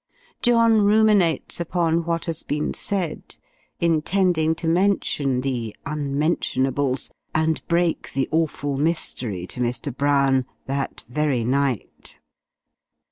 John ruminates upon what has been said, intending to mention the "unmentionables," and break the awful mystery to Mr. Brown, that very night.